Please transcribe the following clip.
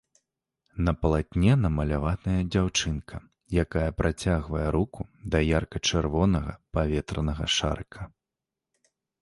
На палатне намаляваная дзяўчынка, якая працягвае руку да ярка-чырвонага паветранага шарыка.